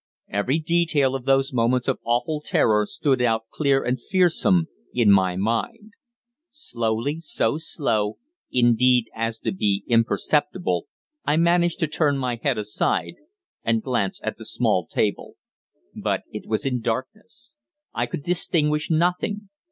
Every detail of those moments of awful terror stood out clear and fearsome in my mind. Slowly, so slow, indeed, as to be imperceptible, I managed to turn my head aside, and glance at the small table. But it was in darkness. I could distinguish nothing.